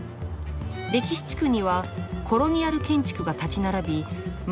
歴史地区にはコロニアル建築が立ち並び街